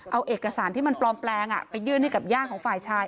เอาเอกสารที่มันปลอมแปลงไปยื่นให้กับญาติของฝ่ายชาย